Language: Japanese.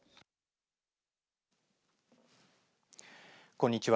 こんにちは。